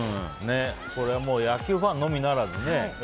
これは野球ファンのみならずね。